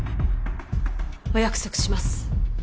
お約束します。